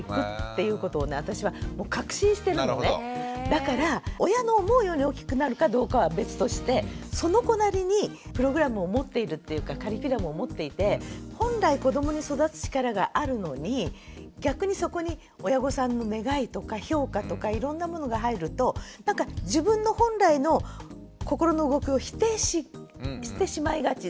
だから親の思うように大きくなるかどうかは別としてその子なりにプログラムを持っているっていうかカリキュラムを持っていて本来子どもに育つ力があるのに逆にそこに親御さんの願いとか評価とかいろんなものが入るとなんか自分の本来の心の動きを否定してしまいがち。